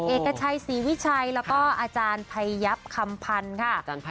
เอกชัยศรีวิชัยแล้วก็อาจารย์ภัยยับคำพันธ์ค่ะ